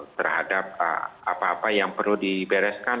terhadap apa apa yang perlu dibereskan